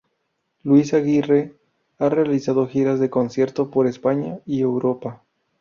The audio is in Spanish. Luis Aguirre, ha realizado giras de concierto por España y Europa.